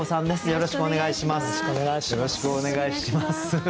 よろしくお願いします。